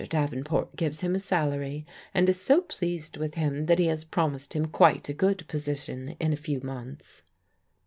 Dayenport gives him a salary, and is so pleased with him that he has promised him quite a good position in a few months."